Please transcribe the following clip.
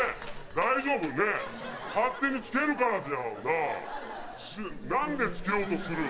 大丈夫？ねえ勝手につけるからじゃんなあなんでつけようとするの？